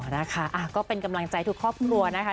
นะคะก็เป็นกำลังใจทุกครอบครัวนะคะ